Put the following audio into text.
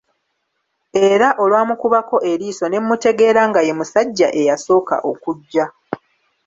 Era olwamukubako eriiso ne mmutegeera nga ye musajja eyasooka okujja.